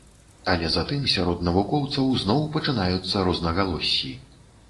Але затым сярод навукоўцаў зноў пачынаюцца рознагалоссі.